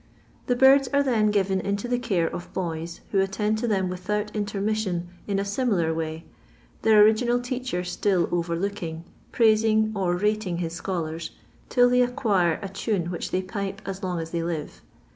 The biids are then given into the care of boys, who attend to them without intermission in a similar way, their original teacher still overlooking, prais ing, or rating his scholars, till they acquire a tane which they pipe as long as they live.